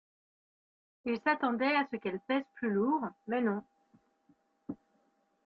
Il s’attendait à ce qu’elle pèse plus lourd, mais non...